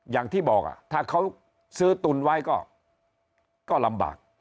อย่างที่บอกถ้าเขาซื้อตุนไว้ก็ลำบาก